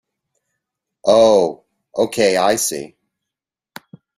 Oh okay, I see.